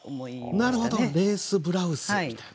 なるほどレースブラウスみたいな。